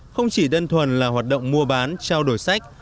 không chỉ đơn thuần là hoạt động mua bán trao đổi sách